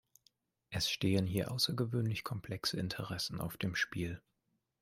Es stehen hier außergewöhnlich komplexe Interessen auf dem Spiel.